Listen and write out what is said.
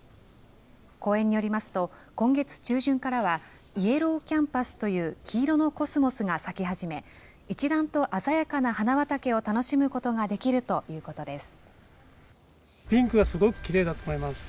公園によりますと、今月中旬からは、イエローキャンパスという黄色のコスモスが咲き始め、一段と鮮やかな花畑を楽しむことができるということです。